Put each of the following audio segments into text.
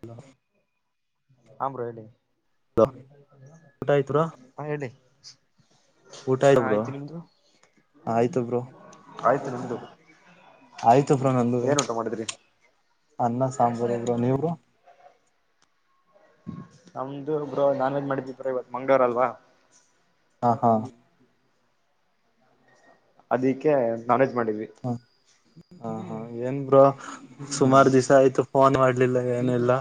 Hello ಹ್ರೋ ಹೇಳಿ hello ಊಟ ಆಯ್ತು ಬ್ರೋ ಹಾ ಹೇಳಿ ಊಟ ಹಾ ಆಯ್ತ ಬ್ರೋ ಆಯ್ತು ನಿಮ್ದು ಆಯ್ತು ಬ್ರೋ ಆಯ್ತು ನಿಮ್ದು ಆಯ್ತು ಹ್ಮ್ ಬ್ರೋ ನಂದು ಏನ್ ಊಟ ಮಾಡಿದ್ರಿ ಅನ್ನ ಸಾಂಬಾರ ನೀವು ನಮ್ದು ಬ್ರೋ ನಾನ್ ವೆಜ್ ಮಾಡಿದ್ ಬ್ರೋ ಇವತ್ ಮಂಗವಾರ ಅಲ್ವಾ ಹ ಹಾ ಅದಿಕ್ಕೆ ನಾನ್ ವೇಜ್ ಮಾಡಿದ್ವಿ ಹಾ ಹಾ ಏನ್ ಬ್ರೋ ಹ್ಮ್ ಸುಮಾರು ದಿವ್ ಆಯ್ತು ಫೋನ್ ಮಾಡಲಿಲ್ಲ ಏನೆಲ್ಲಾ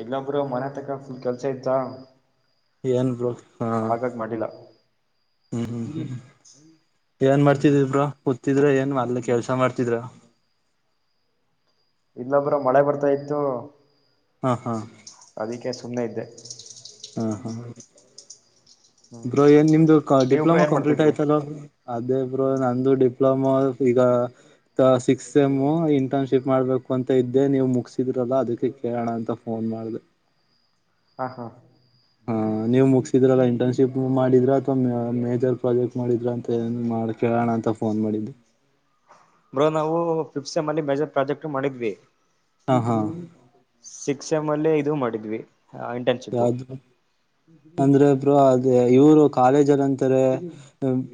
ಇಲ್ಲೊಬ್ರು ಮನೆ ತ ಕೆಲ್ಸ ಇಯತ್ತಾ ಏನ್ ಆಗಾಗ ಮಾಡಿಲ್ಲ ಹೂಂ ಹೂಂಏನ್ ಹ್ಮ್ ಮಾಡ್ತಿದಬ್ರ ಿದ್ರ ಏನ್ ಮದಲ ಕೆಲ್ಸ ಮಾಡ್ತಿದ್ರ ಇಲ್ಲೊಬ್ರ ಮಳೆ ಬರ್ತಾ ಇತ್ತು ಹಾ ಹಾ ಸುಮ್ಮನೆ ಇದ್ದೆ ಹ ಹ ಬ್ರೋ ಏನ್ ನಿಮ್ದು ನೀವ್ ಬ್ರೋ ಡಿಪ್ಲೊಮಾ ಏನ್ ಕಂಪ್ಲೀಟ್ ಮಾಡ್ತಿದ್ರಿ ಆಯ್ತಲ್ಲ ಅದೇಬ್ರು ನಂದು ಡಿಪ್ಲೊಮಾ ಈಗ ಸಿಕ್ಸ್ತ್ ಸಮ್ ಇಂಟರ್ನ್ಶಿಪ್ ಮಾಡ್ಬೇಕು ಕೊಂತ ಇದ್ದೆ ನೀವು್ ಮುಗಸಿದ್ರಲ್ಲ ಅದಕ್ಕೆ ಕೇಳೋಣ ಅಂತ ಫೋನ್ ಮಾಡ್ದ ಹ ಹಾ ಹಾ ನೀ್ ಮುಗಸಿದ್ರಲ್ಲ ಇಂಟರ್ನ್ಶಿಪ್ ಮಾಡಿದ್ರ ಅಥವಾ ಮೇಜರ್ ಪ್ರಾಜೆಕ್ಟ್ ಮಾಡಿದ್ರ ಅಂತ ಏನ್ ಮಾಡ್ ಕೇಳೋಣ ಅಂತ ಫೋನ್ ಮಾಡಿದ್ದು ಬೋ ನಾವು ಫಿಪ್ಸೆಮ್ ಅಲ್ಲಿ ಮೇಜರ್ ಪ್ರಾಜೆಕ್ಟ್ ಮಾಡಿದ್ವಿ ಹ ಹಾ ಸಿಕ್ಸ್ ಎಮ್ ಅಲ್ಲೇ ಇದು ಮಾಡಿದ್ವಿ ಇಂಟರ್ನ್ಶಿಪ್ು ಯಾವ್ದು ಅಂದ್ರೆ ಬ್ರೋ ಅದ ಇವ್ರು ಕಾಲೇಜರ್ ಅಂತಾರೆ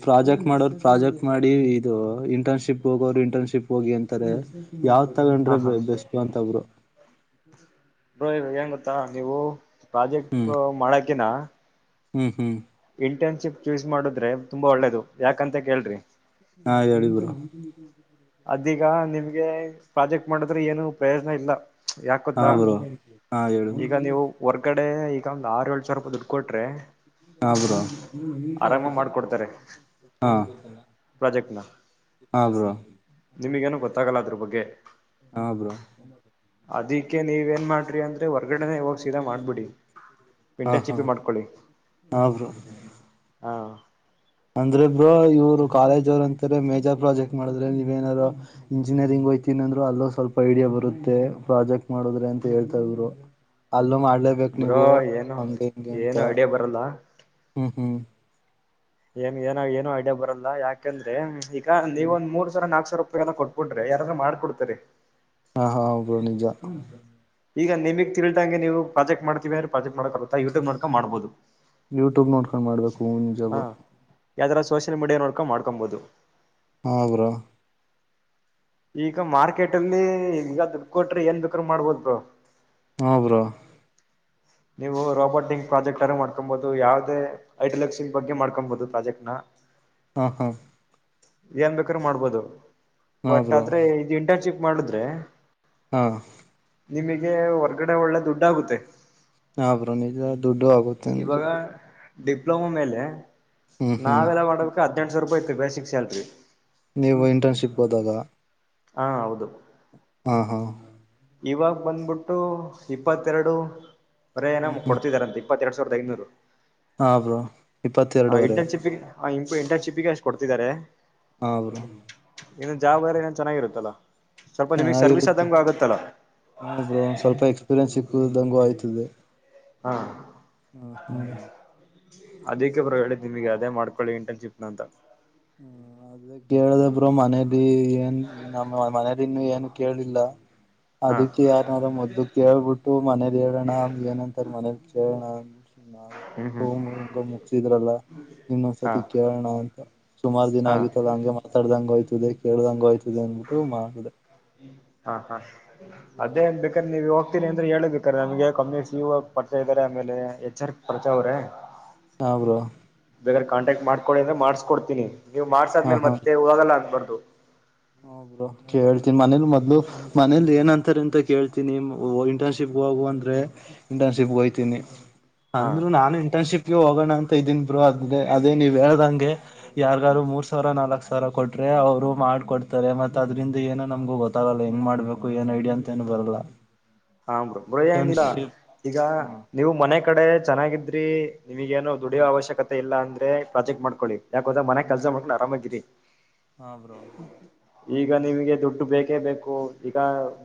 ಪ್ರಾಜೆಕ್ಟ್ ಮಾಡೋರು ಪ್ರಾಜೆಕ್ಟ್ ಮಾಡ ನ ಇದು ಇಂಟರ್ನ್ಶಿಪ್ ಹೋಗೋರು ಇಂಟರ್ನ್ಶಿಪ್ ಹೋಗಿ ಅಂತಾರೆ ಯಾವ ಹಾ ತಗೊಂಡ್ರೆ ಹಾ ಬೆಸ್ಟ್ ಅಂತಬ್ರು ಂಗ ಗೊತ್ತಾ ನೀವು ಪ್ರಾಜೆಕ್ಟ್ ಹ್ಮ್ ಮಾಡಕಿನ ಹ್ಮ್ ಹ್ಮ್ ಇಂಟರ್ನ್ಶಿಪ್ ಚೂಸ್ ಮಾಡುದ್ರೆ ತುಂಬಾ ಒಳ್ಳೇದು ಯಾಕಂತ ಕೇಳ್ರಿ ಹಾ ಹೇಳಿ ಬುರು ಅದೀಗ ನಿಮ್ಗೆ ಪ್ರಾಜೆಕ್ಟ್ ಮಾಡದ್ರೆ ಏನು ಪ್ರಯೋಜನ ಇಲ್ಲ ಹಾ ಯಾಕತ್ತಾ ಬ್ರೋ ಹಾ ಹೇಳಿ ಬ್ರೋ ಈಗ ನೀವು ಹೊರ್ಗಡೆ ಡೆ ಈಗ ಒಂದ್ ಆರು ಏ ಸಾವರ ರೂಪಾಯ ದುಡು ಕೊಟ್ರೆ ಹಬರಾ ಆರಾಮ ಮಾಡ್ಕೊಡ್ತಾರೆ ಹಾ ಹ್ರ ನಿಮಗೇನೂ ಗೊತ್ತಾಗಲ್ಲ ಅದ್ರ ಬಗ್ಗೆ ಹಾ ಬ್ರೋ ಅದಿಕ್ಕೆ ನೀವೇನ್ ಮಾಡ್ರಿ ಅಂದ್ರೆ ಹೊರ್ಗಡೆನೆ ಹೋಗ ಮಾಡ್ಬಿಡಿ ಹಾ ಪಿಂಟರ್ ಹಾ ಚಿಪಿ ಮಾಡ್ಕೊಳ್ಳಿ ಹಾ ಬ್ರೋ ಹಾ ಅಂದ್ರೆ ಇಬ್್ರೋ ಇವ್ರು ಕಾಲೇಜ್ ಅವರು ಅಂತಾರೆ ಮೇಜರ್ ಪ್ರಾಜೆಕ್ಟ್ ಮಾಡಿದ್ರೆ ನೀವೇನಾದಾರರು ಇಂಜಿನಿಯರಿಂಗ್ ಯತನಂದ್ರರು ಅೋ ಸ್ವಲ್ಪ ಐಡಿಯಾ ಬರುತ್ತೆ ಪ್ರಾಜೆಕ್ಟ್ ಮಾಡದ್ರೆ ಅಂತ ಹೇಳ್ತಾ ಇದ್ರು ಅಲ್ಲೋ ಮಾಡ ಇಲೇಬೇಕು ಬ್ರೋ ನೀವು ಏನು ಹಂಗಗೆ ಹಂಗೆ ಅಂತ ಏನು ಐಡಿಯಾ ಬರಲ್ಲ ಹ್ಮ್ ಹ್ಮ್ ಏನ್ ಏ ಏನು ಡಾ ಬರಲ್ಲ ಯಾಕಂದ್ರೆ ಈಗ ನೀವ ಹ್ಮ್ ಒಂದ್ ಮೂರ್ ಸಾವರ ನಾಕ್ ಸಾವರ ಕೊಟ್ಕಟ್ರೆ ಯಾರಾದ್ರೂ ಮಾಡ್ಕ ಕೊಡ್ತರಿ ಹಾ ಹಾ ಪ್ರಣಿಜ ಈಗ ನಿಮಗ್ ತಿಳಿದಂಗೆ ನೀವು ಪ್ರಾಜೆಕ್ ಮಾಡ್ತೀವಿಂದ್ರೆ ಪ್ರಾಜೆಕ್ಟ್ ಮಾಡಕರುತ್ತಾ ಯೂಟ್ಯೂಬ್ ಮಾಡ್ಕ ಮಾಡಬಹದು ಯೂಟ್ಯೂಬ್ ನೋಡ್ಕೊಂಡು ಮಾಡ್ಬೇಕು ಹೂನ್ ಜಾಗ ಮರ್ಕ ಮಾಡ್ಕೊಬಹುದು ಹೋಗ್ರ ಈಗ ಮಾರ್ಕೆಟ್ ಅಲ್ಲಿ ಈಗ ದು ಕೊಟ್ರೆ ಏನ್ ದುಕ್ಕ್ರ ಮಾಡ್ಬೋದ ಹ ಬ್ರೋ ನೀವು ರೋಬೋಟಿಕ್ ಪ್ರಾಜೆಕ್ಟ್ರೂ ಮಾಡ್ಕೊಬಹುದು ಯಾವವುದೇ ಐಟಲೆಕ್ಸಿಂಗ ಬಗ್ಗೆ ಮಾಡ್ಕೊಬಹುದು ಪ್ರಾಜೆಕ್ಟ್ ನ ಹಾ ಹಾ ಏನ್ ಬೇಕಾರ ಮಾಡ್ಬೋದು ಹಾ ಬಟ್ ಬ್ರೋ ಆದ್ರೆ ಇದು ಇಂಟರ್ನ್ಶಿಪ್ ಮಾಡುದ್ರೆ ಹಾ ನಿಮಗೆ ಹೊರ್ಗಡೆ ಒಳ್ಳೆ ದುಡ್ಡ ಆಗುತ್ತೆ ಹಾ ಬ್ರೋಣಜ ದುಡ್ಡು ಆಗುತ್ತೆು ಇವಾಗ ಡಿಪ್ಲೊಮಾ ಮೇಲೆ ಹ್ಮ್ ನಾವೆಲ್ಲ ಮಾಡಬೇಕು ಹದ್ನೆಂಟು ಸಾವಿರ ರೂಪಾಯಿ ಐತೆ ಬೇಸಿಕ್ ಸ್ಯಾಲ್ರಿ ನೀವು ಇಂಟರ್ನ್ಶಿಪ್ ಹೋದಾಗ ಹಾ ಹೌದು ಹಾ ಹಾ ಇವಾಗ ಬಂದ್ಬಿಟ್ಟು ಇಪ್ಪತ್ತೆರಡು ಪ್ರಯಾಣ ಹ್ಮ್ ಹ್ಮ್ ಕೊಡ್ತಿದಾರಂತ ರಡ್ ಸಾವಿರದ ಹಾ ಬ್ರೋ ಇಪ್ಪತ್ತೆರಡುವರೆ ಐನೂರುಿ ಇಂಟರ್ನ್ಶಿಪ್ಿಗೆ ಅಷ್ಟು ಕೊಡ್ತಿದ್ದಾರೆ ಹಾ ಬ್ರೋ ಇನ್ನೊ ಜಾಬ್ ಎಾರ ಏನನ್ ಚೆನ್ನಾಗಿರುತ್ತಲ್ಲ ಸ್ವಲ್ಪ ನಿಮಗ್ ಸರ್ವೀ್ ಆದಂಗ ಆಗತ್ತಲ್ಲಾ ಹ ಬ್ರೋ ಸ್ವಲ್ಪ ಎಕ್ಸ್ಪೀರಿಯನ್ಸ್ ಸಿಕ್ಕಂಗು ಆಯ್ತದೆ ಹಾ ಹ್ಮ ಅದಕ್ಕೆ ಪರವಾಗಿ ಹೇಳಿ ನಿಮಗೆ ಅದೇ ಮಾಡ್ಕೊಳ್ಳಿ ಇಂಟರ್ನ್ಶಿಪ್ನ ಅಂತ ಹ್ಮ ಅದ ಕೇಳಿದಬ್ರು ಮನೇಲಿ ಏನ್ ನಮ್ಮ ಮನೇಲಿ ಇನ್ನು ಏನ್ ಕೇಳಿಲ್ಲ ಹಾ ಅದಕ್ಕೆ ಯಾರನಾರ ಮೊದ್ದ ಕೇಳ್ಬಿಟ್ಟು ಮನೇಲಿ ಹೇಳೋಣ ಏನಂತಾರ ಮನೇಲಿ ಕೇಳಣ ಹ್ಮ್ ಹ್ಮ್ ಹಿಂಗೋ ಮುಗಸಿದ್ರಲ್ಲ ಹಾ ನಿನ್ನೊಂದ್ಸತಿ ಕೇಳೋಣ ಅಂತ ಸುಮಾರು ದಿನ ಹಾ ಆಗಿತ್ತಲ್ಲ ಹಂಗೆ ಮಾತಾಡ್ದಂಗಗೆೋಯ್ತದೆ ಕೇಳ್ದಂಗ ಹಯ್ತದೆ ಅನ್ಬಿಟ್ಟು ಮಾಡಿದೆ ಹಾ ಹಾ ಅದೇನ್ ಬೇಕ್ರ ನೀವ ಇ ತಿ ಅಂದ್ರೆ ಹೇಳಬೇಕಾರೆ ನಮಗೆ ಕಮ್ಮ ಯ ಪರಿಚ ಇದಾರೆ ಆಮೇಲೆ ಎಚ್ ಆರ್ ಪರಿಚಾ ಅವ್ರೆ ಹ್ರೋ ಬೇಕಾದ್ರೆ ಕಾಂಟ್ಯಾಕ್ಟ್ ಮಾಡ್ಕೊಂಡಿ ಅಂದ್ರೆ ಮಾಡಸ್ಕಡ್ತನಿ ನೀವು ಮಾಡ್ಸಾದ್ಮೇಲೆ ಮತ್ತೆ ಹೋಗಲ್ಲ ಅಂದಬಾರ್ದು ಹೌದರು ಕೇಳ್ತೀನಿ ಮನೇಲಿ ಮೊದ್ಲು ಮನೇಲಿ ಏನಂತ ಥರ್ ಅಂತ ಕೇಳ್ತೀನಿ ಇಂಟರ್ನ್ಶಿಪ್ಗೆ ಹೋಗುವ ಅಂದ್ರೆ ಇಂಟರ್ನ್ಶಿಪ್ಗೆ ಹೋಗಯ್ತೀನಿ ಹಾ ಅಂದ್ರು ನಾನು ಇಂಟರ್ನ್ಶಿಪ್ ಹೋಗೋಣ ಅಂತ ಇದೀನ್ ಬ್ರರು ಅದ ಅದೇ ನೀವ್ ಹೇಳ್ದಂಗೆ ಯಾರ್ಗಾರು ಮೂರ್ ಸಾವಿರ ನಾಲ್ಕ್ ಸಾವರ ಕೊಟ್ರಿ ಅವ್ರು ಮಾಡ್ಕೊಡ್ತಾರೆ ಇತಾರೆ ಮತ್ತತ್ ಅದ್ರಿಂದ ಏನೋ ನಮ್ಗ ಗೊತ್ತಾಗಲ್ಲ ಹೆಂಗ್ ಮಾಡ್ಬೇಕು ಏನ್ ಐಡಿಯಾ ಅಂತ ಏನು ಬರಲ್ಲ ಹಾ ಬ ಬ್ರೋ ಏನಿಲ್ಲಾ ಇಂಟರ್ನ್ಶಿಪ್ ಈಗ ಹ್ಮ ನೀವು ಮನೆ ಕಡೆ ಚೆನ್ನಾಗಿದ್ರಿ ನಿಮಗೇಏನು ದುಡಿಯೋ ಹ್ಮ ಅವಶ್ಯಕತೆ ಇಲ್ಲ ಅಂದ್ರೆ ಪ್ರಾಜೆಕ್ಟ್ ಮಾಡಕೊಳ್ಳಿ ಯಾಕೋದ್ರ ಮನೆ ಕೆಸ ಮಾಡ್ಕೊಂಡು ಆರಾಮಾಗೀರಿ ಹಾ ಬ್ರೋ ಈಗ ನಿಮಗೆ ದುಡ್ಡು ಬೇಕೇ ಬೇಕು ಈಗ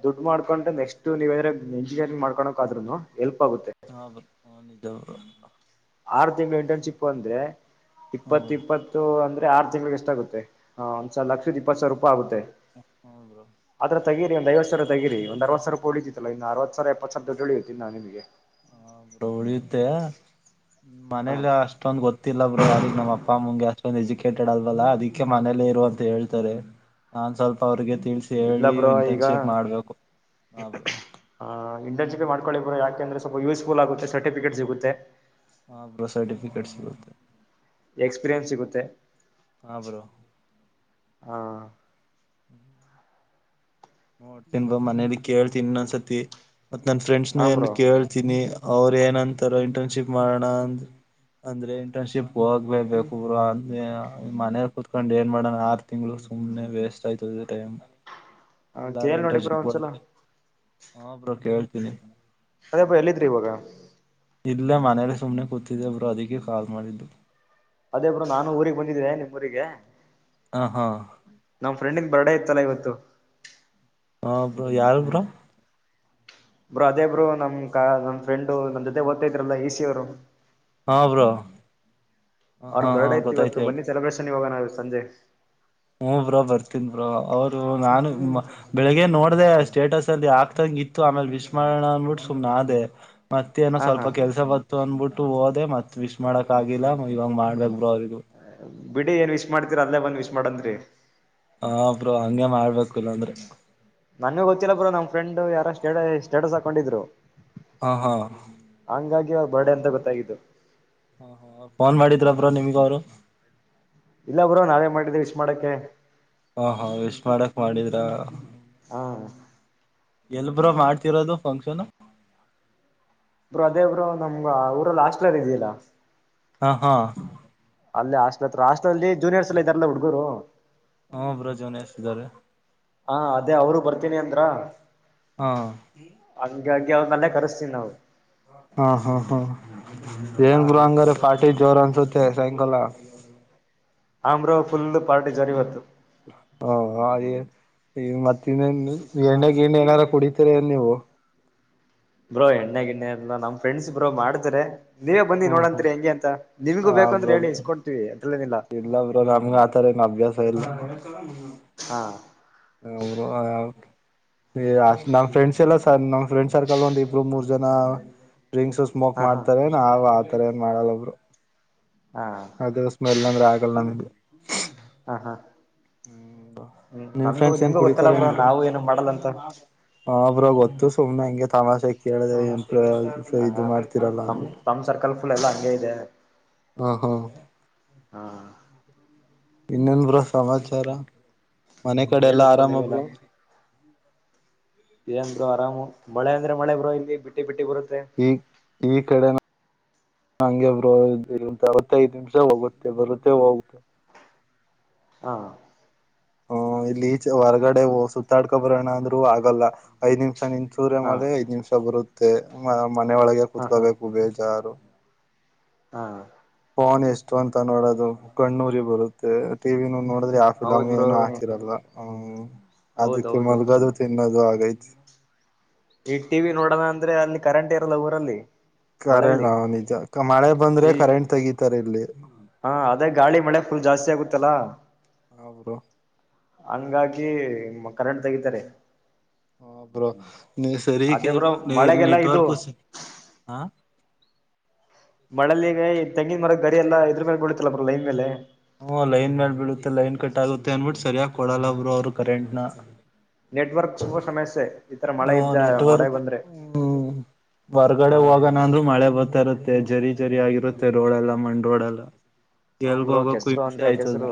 ದುಡ್ಡು ಮಾಡ್ಕೊಂಡೆ ನೆಕ್ಸ್ಟ್ ನೀವ ಎಂಜಿನಿಯರಿಂಗ್ ಮಾಡ್ಕೋಕ್ಾದ್ರ್ನು ಹಾ ಹ ನೀಾವ ಆರು ತಿಂಗಳು ಇಂಟರ್ನ್ಶಿಪ್ ಅಂದ್ರೆ ಹ್ಮ ಇಪ್ಪತ್ತು ಇಪ್ಪತ್ತು ಅಂದ್ರೆ ಆರು ತಿಂಗಳಿಗೆ ಎಷ್ಟ ಆಗುತ್ತೆ ಒಂದ್ಸಲ ಲಕ್ಷದ ಇಪ್ಪತ್ ಸಾವಿರ ರೂಪಾಯಿ ಆಗುತ್ತೆ ಹಾ ಬ್ರೋ ಅದ್ರ ತಗಿರಿ ಒಂದುಐವತ್ತು ಸಾವರ ತಗಿ ಒಂದು ಅವ ಸಾವರೋಳಿತತ್ತಲ್ಲ ಒಂದು ಅವತ್ತು ಸರ ಹಾ ಎಪ್ಪತ್ತು್ದಡ್ಡಳ ಹತಿ ನಾ ನಿಮಗೆ ಹ ಹಾ ್ನೇಲಿ ಅಷ್ಟೊಂದು ಗೊತ್ತಿಲ್ಲ ಬ್ರರು ಅಿಗೆ ನಮ್ಮ ಅಪ್ಪ ಅಮ್ಮಂಗೆ ಅಷ್ಟೊಂದ ಎಜುಕ ಕೆಟ್ಟಡಲ್ವಲ್ಲ ಅದಕ್ಕೆ ಮನೇಲ್ಲೇ ಇರು ಅಂತ ಹೇಳ್ತಾರೆ ನಾನ್ ಸ್ವಲ್ಪ ಅವ್ರಿಗೆ ತಿಳಿಸಿಿ ಇಲ್ಲ ಹೇಳಿ ಬ್ರೋ ಈಗ ಇಂಟರ್ನ್ಶಿಪ್ ಮಾಡ್ಬೇಕುರು ಇಂಟರ್ನ್ಿಪ್ ಮಾಡಕೊಳ್ಳಿಬ್ರಾ ಯಾೆಂದ್ರೆ ಸ್ಲ್ಪ ಯೂಸ್ಫುಲ್ ಆಗುತ್ತೆ ಸರ್ಟಫಿಕೇಟ್ ಸಿಗುತ್ತೆ ಹಾ್ರ ಸರ್ಟಿಫಿಕೇಟ್ ಸಿ ಬತ ಎಕ್ಸ್ಪೀರಿಯನ್ಸ್ ಸಿಗುತ್ತೆ ಆ ಬ್ರೋ ಹಾ ನೋತನ್ ಬ ಮನೇಲಿ ಕೇಳ್ತನ್ ಒಂದಸತಿ ಮತ್ತ ನನ್ನ ಫ್ರೆಂಡ್ಸ್ನು ಹಾ ಏನ್ ಬ್ರೋ ಕೇಳ್ತೀನಿ ಅವರು ಏನಂತಾರ ಇಂಟರ್ನ್ಶಿಪ್ ಮಾಡೋಣ ಅಂದ ಅಂದ್ರೆ ಇಂಟರ್ನ್ಶಿಪ್ ಹೋಗ್ಬೇಕೇಬೇಕುರು ಅಂದ ಮನಲಿ ಕುೂತ್ಕೊಂಡ್ ಏನ್ ಮಾಡಣ ಆರು ತಿಂಗ್ಗಳು ಸುಮ ವೇಸ್ಟ್ ಆಯ್ತ ೈಮ ಎಲ್ಲಾರು ಕೇಳ್ ನೋಡಿ ಬ್ರೋ ಇಂಟರ್ನ್ಶಿಪ್ ಒಂದ್ಸಲ ಹೋದ್ರೆ ಹಬ್ರ ಕೇಳ್ತೀನಿ ಅದೇ ಬ ಎಲ್ಲಿದ್ರಿ ಇವಾಗ ಇಲ್ಲೇ ಮನೇಲಿ ಸುಮ್ನೆ ಕೂತಿದ್ದೆ ಒಬ್ರು ಅದಕ್ಕೆ ಕಾಲ್ ಮಾಡಿದ್ದು ಅದೇ ಬ್ರೋ ನಾನು ಊರಿಗೆ ಬಂದಿದ್ದೆ ನಿಮ್ ಊರಿಗೆ ಹಾ ಹಾ ನಮ್ ಫ್ರೆಂಡಗ್ ಬರ್ಡ ಇತ್ತಲ್ಲ ಇವತ್ತು ಹಾ ಬ್ರೋ ಯಾರು ಬ್ರೋ ಬ್ರೋ ಅದೇ ಬ್ರೋ ನಮ್ ಕ ನಮ್ ಫ್ರೆಂಡು ನಮ್ ಜೊತೆ ಓದ್ತಾ ಇದ್ರಲ್ಲಾ ಈಸಿ ಅವರು ಹಾ ಬ್ರೋ ಅವ್ರ ಬರ್ತ್ಡೇ ಇತ್ತು ಇವತ್ತು ಬನ್ನಿ ಸೆಲೆಬ್ರೇಷನ್ ಇವಾಗ ನಾವು ಸಂಜೆ ಹು ಬ್ರೋ ಬರ್ತನಿ ಬ್ರೋ ಅವ್ರು ನಾನು ಬೆಳಿಗ್ಗೆ ನೋಡ್ದ ಸ್ಟೇಟಸ್ ಅಲ್ಲಿ ಆಕ್ತಾಗ ಇತ್ತು ಆಮೇಲೆ ವಿಶ್ ಮಾಡಣ ಅಂದ್ಬಿಟ್ಟು ಸುಮ್ನ ಆದೆ ಮತ್ತ ಏನೋ ಹಾ ಹಾ ಸ್ವಲ್ಪ ಕೆಲಸ ಬತ್ತು ಅಂದಬಿಟ್ಟು ಹಓದೆ ಮತ್ ವಿಶ್ ಮಾಡಕ್ ಆಗಿಲ್ಲ ಇವಾಗ್ ಮಾಡ್ಬೇಕಕ್ ಬ್ರೋ ಅವ್ರ ಹ ಬಿಡಿ ಏನ್ ವಿಶ್ ಮಾಡ್ತಿರಿ ಅಲ್ಲೇ ಬಂದ್ ವಿಶ್ ಮಾಡನ್ರಿ ಹ ಬ್ರೋ ಹಂಗೆ ಮಾಡ್ಬೇಕು ಇಲ್ಲ ಅಂದ್ರೆ ನನ್ಗೂ ಗೊತ್ತಿಲ್ಲ ಬ್ರೋ ನಮ್ ಫ್ರೆಂಡ್ [unintelligible] ಸ್ಟೇಟಸ್ ಹಾಕೊಂಡಿದ್ರು ಹಾ ಹಾ ಈವಾಗ ಬರ್ಡೆ ಅಂತ ಗೊತ್ತಾಗಿದ್ದು ಹಾ ಹ ಫೋನ್ ಮಾಡಿದ್ರ ಬ್ರೋ ನಿಮ್ಗ ಅವರು ಇಲ್ಲ ಬ್ರೋ ನಾವೇ ಮಾಡಿದ್ದೆ ವಿಶ ಮಾಡಕ್ಕೆೆ ಹ ಹಾ ವಿಶ್ ಮಾಡಕ್ ಮಾಡಿದ್ರ ಹಾ ಎಲ್ ಬ್ರೋ ಮಾಡ್ತಿರೋದು ಫಂಕ್ಷನ್ ಬ್ರೋ ಅದೇ ಬ್ರೋ ನಮ್ಗ ಊರ ಅಲ್ಲಿ ಹಾಸ್ಟೆಲ್ ಇರಲಿಲ್ಲ. [unintelligible] ಹಾ ಹಾ ಹಸ್ಟ್ಲ್ ಹತ್ರ ಹಾಸ್ಟಲ್ ಅಲ್ಲಿ ಜೂನಿಯರ್ಸ್ ಎಲ್ಲ ಇದ್ದಾರಲ್ಲ ಹುಡುಗೂರು ಹಾ ಬ್ರೋ ಜೋನಸ್ತಿದ್ದಾರೆ ಹಾ ಅದೇ ಅವರು ಬರ್ತೀನಿ ಅಂದ್ರ ಹಾ ಹಂಗ ಆಗಿ ಅವರನ್ ಅಲ್ಲೇ ಕರಿಸಿತೀವಿ ನಾವು. [unintelligible] ಹಾ ಹಾ ಹಾ ಹಾ ಏನ್ ಬ್ರೋ ಹಂಗಾರೆ ಪಾಟಿ ಜೋರ್ ಅನ್ಸುತ್ತೆ ಸಾಯಂಕಾಲ. [unintelligible] ಆ್ರ ಬ್ರೋ ಫುಲ್ ಪಾರ್ಟಿ ಜೋರ್ ಇವತ್ತು ಹಾ ಹ ಈ ಮತ್ ಇನ್ನೇನು ಎಣ್ನೆ ಗಿಣ್ಣೆ ಏನಾರ ಕುಡಿತೀರ ಏನ್ ನೀವು. ಬ್ರೋ ಎಣ್ಣೆ ಗಿಣ್ಣೆ ಇಲ್ಲದ ನಮ್ಮ ಫ್ರೆಂಡ್ಸ್ ಬ್ರೋ ಮಾಡ್ತಾರೆ. [unintelligible] ನೀವೇ ಬಂದಿ ಹ್ಮ್ ಹ್ಮ್ ನೋಡಂತ್ರಿ ಹೆಂಗೆ ಅಂತ ನಿಮ್ಗೂ ಹ ಬೇಕ ಅಂದ್ರ ಬ್ರೋ ಹೇಳಿ ಇಸ್ಕೊಂತೀವಿ ಇಲ್ಲ ಬ್ರೋ ನಮಗೆ ಆತರ ಏನು ಅಭ್ಯಾಸ ಇಲ್ಲ ಹಾ ಅವರು ಆ ನಮ್ ಫ್ರೆಂಡ್ಸ್ ಎಲ್ಲ ಸರ್ ನಮ್ ಫ್ರೆಂಡ್ ಸರ್ಕಲ್ ಒಂದ ಇಬ್ರು ಮೂರ್ ಜನ ಡ್ರಿಂಕ್ಸ್ ಸ್ಮೋಕ್ ಹಾ ಹಾ ಮಾಡ್ತಾರ ನಾವ್ ಏನ ಆತರ ಏನ್ ಮಾಡಲ್ಲ ಒಬ್ರು ಹಾ ಅದ ಸ್ಮೆಲ್ ಅಂದ್ರೆ ಆಗಲ್ಲ ನಂಗೆ ಹಾ ಹಾ ಹ್ಮ್ ನಿಮ್ ನಮ್ಗೂ ಫ್ರೆಂಡ್ಸ್ ಏನ್ ನಿಮ್ಗೂ ಗೊತ್ತಲ್ಲ ಕುಡಿತಾರೆ ಏನ್ ಬ್ರೋ ಬಿಡ ನಾವು ಏನು ಮಾಡಲ್ಲ ಅಂತ ಹಾ. ಬ್ರೋ ಗೊತ್ತು ಸುಮ್ನೆ ಹಂಗೆ ತಮಾಷೆಗೆ ಕೇಳಿದೆ ಬ್ರೋ ಇದು ಹ ಮಾಡ್ತೀರಲ್ಲ ಅನ್ಬಿಟ್ಟು ಹ ಹ ಹಾ ಹಾಂ ಇನ್ನೇನ್ಬ್ರ ಸಮಾಚಾರ ಮನೆ ಕಡೆ ಎಲ್ಲಾ ಆರಾಮ ಬ್ರೋ ಎಸ್ ಬ್ರೋ ಆರಾಮು ಮಳೆ ಅಂದ್ರೆ ಮಳೆ ಬ್ರೋ ಇಲ್ಲಿ ಬಿಟ್ಟಿ ಬಿಟ್ಟ ಬರು ಈ ಈ ಕಡೆ ಹಂಗೆ ಬ್ರೋ [unintelligible] ಐದು ನಿಮಿಷ ಹೋಗುತ್ತೆ ಬರುತ್ತೆ ಹೋಗುತ್ತೆ ಹ್ಮ ಹಾ ಹ್ಮ ಇಲ್ಲಿ ಈಚೆ ಹೊರ್ಗಡೆ ಸುತ್ತಾಡ್ಕೊ ಬರೋಣ ಅಂದ್ರು ಆಗಲ್ಲ ಐದ್ ನಿಮಿಷ ನಿಂತ. ಚೂರೆ [unintelligible] ಹಾ ಮಳೆ ಐದ್ ನಿಮಿಷ ಬರುತ್ತೆ ಮನೆೆಯೊಳಗೆ ಹಾ ಹಾ ಕುತ್ಕೋಬೇಕು ಬೇಜಾರು. ಹಾ ಪೋನ್ ಎಷ್ಟು ಅಂತ ನೋಡೋದು ಕಣ್ಣೂರಿ ಬರುತ್ತೆ ಟಿವಿನೂ ನೋ ್ರ [unintelligible] ಹೌದ್ ಯಾಫಿಲಮು ಬ್ರೋ ಏನು ಹಾಕಿರಲ್ಲ ಅದಕ್ಕೆ ಹೌದೌದು ಮಲ್ಗದು ತಿನ್ನೋದು. ಗೈತಿ ಈ ಟಿವಿ ನೋಡೋಣ ಅಂದ್ರೆ ಅಲ್ಲಿ ಕರೆಂಟ್ ಇರಲ್ಲ ಊರಲ್ಲಿ. ಖರೆ ಮಳೇಲಿ ಹ ನಿಜ ಮಳೆ ಬಂದ್ರೆ ಈ ಕರೆಂಟ್ ತೆಗೀತಾರ ಇಲ್ಲಿ. ಹಾ ಅದೇ ಗಾಳಿ ಮಳೆ ಫುಲ್ ಜಾಸ್ತಿ ಆಗುತ್ತಲ್ಲಾ. ಅವ್ರು. ಹಂಗಾಗಿ ಮ ಕರೆಂಟ್ ತೆಗಿತಾರೆ. ಹ ಬ್ರೋ ಸರಿ ಅದೇ ಬ್ರೋ [unintelligible] ಮಳೆಗೆಲ್ಲ ಇದು ನೆಟ್ವರ್ಕ್ು [unintelligible] ಹ ಮಳಲಿ ಈಗ ತೆಂಗಿನ್ ಮರ ಗರಿ ಎಲ್ಲ ಇದ್ರ ಮ್ಯಾಲೇ ಬೀಳತ್ತಲ್ಲ ಬ್ರೋ ಲೈನ್ ಮೇಲೆ. ಹ್ಮ್ಮ್ ಲೈನ್ ಮ್ಯಾ ಬೀಳುತ್ತೆ ಲೈನ್ ಕಟ್ ಆಗುತ್ತೆ ಅನ್ಬಿಟ್ಟು ಸರಿಯಾಗಿ ಕೊಡಲ್ಲ ಬ್ರೋ ಅವ್ರ ಕರೆಂಟ್ನ. ನೆಟ್ವರ್ಕ್ ತುಂಬಾ ಸಮಸ್ಯೆ ಈತರ ಮಳೆ ಹ ಇದ್ದ ಮಳೆ ನೆಟ್ವರ್ಕ್ ಬಂದ್ರೆ. ಹ್ಮ್ ಹೊರ್ಗಡೆ ಹಾ ಹೋಗಣಂದ್ರು ಮಳೆ ಬರ್ತಾ ಇರತ್ತೆ ಜರಿ ಜರಿ ಆಗಿರುತ್ತೆ ರೋಡೆಲ್ಲಾ ಮಣ್ಣು. ರೋಡಲ್ಲ ಹ್ಮ್ ಎಲ್ಗ ಬ್ರೋ ಹೋಗಕ್ಕೂ ಕೆಸರು ಹಿಂಸೆ ಅಂದ್ರೆ ಆಯ್ತದೆ ಕೆಸರು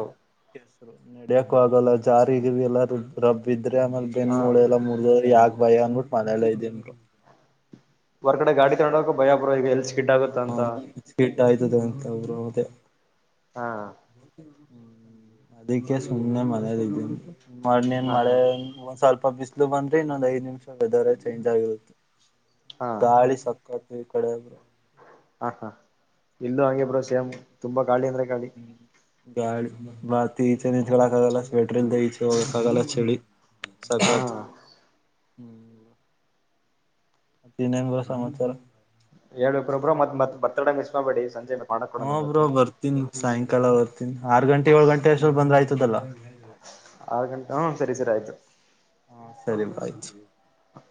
ಕೆಸ್ರು ನಡಿಯಕು ಆಗಲ್ಲ. ಜಾರಿಗಿರಿಯಲ್ಲ ರಬ್ಬ ಇದ್ರೆ ಆಮೇಲೆ ಬೆನ್ನ ಹಾ ಮೂಳೆ ಎಲ್ಲ ಮುರದೋದ್ರೆ ಯಾರ್ ಭಯ ಅನ್ಬಿಟ್ಟು ಮನೇಲೇ ಇದಿನ್ ಬ್ರೋ. ಹೊರಗಡೆ ಗಾಡಿ ತಗೊಂಡ ಹೋಗೋಕು ಭಯ ಬ್ರೋ ಈಗ ಎಲ್ ಸೀ ಹಾ ಕೆಿಟ್ [unintelligible] ಆಯ್ತದೆ ಅಂತ ಬ್ರೋ ಅದೆ ಹಾ ಹ್ಮ ಅದಕ್ಕೆ ಸುಮ್ನೆ ಮನೇಲಿ ಇದ್ದೀನಿ ಮನ್ನಿನ್ ಹಾ ಮಳೆ ಹಾ ಒಂದ್ ಸ್ವಲ್ಪ. ಬಿಸ್ಲು ಬಂದ್ರೆ ಇನ್ನೊಂದ್ ಐದ ನಿಮಿಷ ವೆದರ್ ಚೇಂಜ್ ಆಗಿರುತ್ತೆ ಹಾ ಗಾಳಿ ಸ ಮತ್ ನಿಮ್ ಕಡೆ ಬ್ರೋ. ಹ ಹಾ ಇಲ್ಲೂ ಹಂಗೆ ಬ್ರೋ ಹ್ಮ್ ಸೇಮ್ ತುಂಬಾ ಗಾಳಿ ಅಂದ್ರೆ ಗಾಳಿ. ಗಾಳಿ ಮತಿ [unintelligible] ಈಚೆ ನಿಂತಕಳಕ್ ಆಗಲ್ಲ ಸ್ವೆಟ್ರ ಇಲ್ದೆ ಈಚೆ ಹೋಗಕ್ಕ ಆಗಲ್ಲ ಚಳಿ. ಹಾ ಸತತ್. ಇನ್ನೆನಪ್ಪ ಸಮಾಚಾರ. ಹಳ್ಬೇಕಬ್ರೋ ಮತ್ ಮತ್ ಬರ್ತಡೆ ಮಿಸ್ ಮಾಡ್ಬೇಡಿ ಸಂಜೆ ಮತ್ತ. ಹಾ ಬ್ರೋ ಬರ್ತೀನಿ ಸಾಯಂಕಾಲ ಬರ್ತೀನಿ ಆರ್ ಗಂಟೆ ಏಳ್ ಗಂಟೆ ಅಷ್ಟರಲ್ಲಿ ಬಂದ್ರ ಆಯ್ತದಲ್ಲ. ಆರು ಗಂಟೆ ಹ್ಮ [inaudible] ಹ ಸರಿ ಬ್ರೋ ಅಯ್ತು.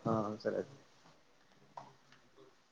ಹಾ ಸರಿಯ್ತು.